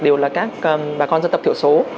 đều là các bà con dân tộc thiểu số